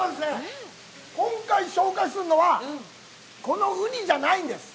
今回、紹介するのは、このウニじゃないんです。